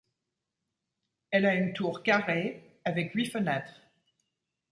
Elle a une tour carré avec huit fenêtres.